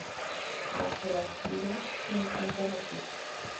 Bajo el ábside se encuentra la cripta.